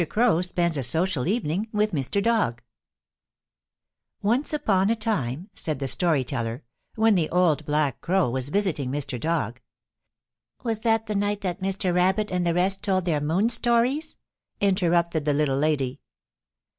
CROW SPENDS A SOCIAL EVENING WITH MR. DOG Once upon a time, said the Story Teller, when the Old Black Crow was visiting Mr. Dog "Was that the night that Mr. Rabbit and the rest told their moon stories?" interrupted the Little Lady.